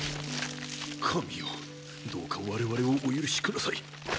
神よどうか我々をお許し下さい！